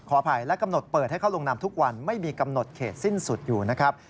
อภัยและกำหนดเปิดให้เข้าลงนามทุกวันไม่มีกำหนดเขตสิ้นสุดอยู่นะครับ